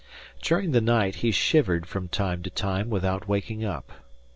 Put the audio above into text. During the night he shivered from time to time without waking up.